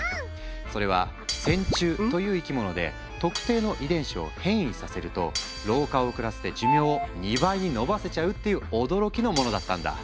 それは線虫という生き物で特定の遺伝子を変異させると老化を遅らせて寿命を２倍に延ばせちゃうっていう驚きのものだったんだ。